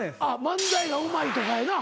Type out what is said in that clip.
漫才がうまいとかやな。